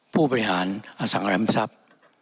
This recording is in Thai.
ผู้บริหารอสังแหลมทรัพย์